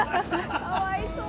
かわいそう。